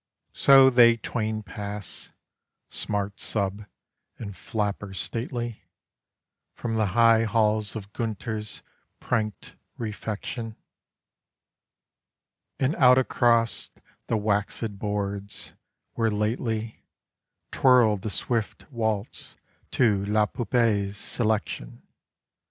So they twain pass smart sub. and flapper stately From the high halls of Gunter's prank't refection. And out across the waxèd boards, where lately Twirled the swift waltz to La Poupée's "Selection."